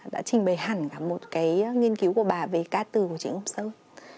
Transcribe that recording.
đã trình bày hẳn cả một cái nghiên cứu của bà về ca từ của trịnh công sơn